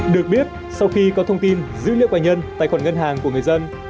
được biết sau khi có thông tin dữ liệu và nhân tài khoản ngân hàng của người dân